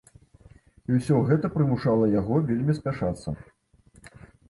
І ўсё гэта прымушала яго вельмі спяшацца.